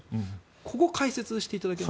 ここを解説していただきたい。